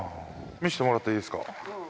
見せてもらっていいですか？